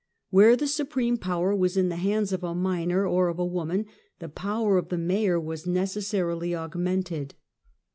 Where the supreme power was in the hands f a minor, or of a woman, the power of the mayor was ecessarily augmented.